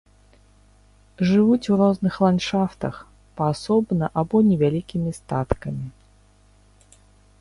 Жывуць у розных ландшафтах, паасобна або невялікімі статкамі.